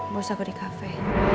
bos aku di cafe